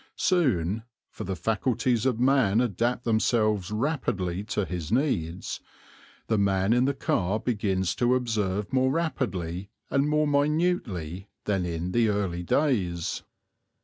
Soon for the faculties of man adapt themselves rapidly to his needs the man in the car begins to observe more rapidly and more minutely than in the early days.